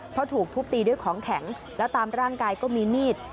เพราะถูกทุบตีด้วยของแข็งแล้วตามร่างกายก็มีมีด